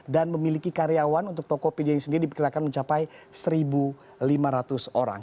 dan memiliki karyawan untuk tokopedia ini sendiri diperkirakan mencapai seribu lima ratus orang